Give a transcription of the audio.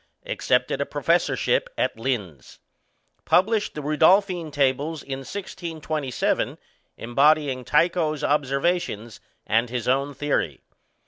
Accepted a professorship at Linz. Published the Rudolphine tables in 1627, embodying Tycho's observations and his own theory.